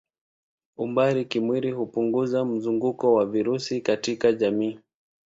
Umbali kimwili hupunguza mzunguko wa virusi katika jamii.